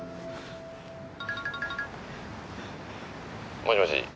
もしもし？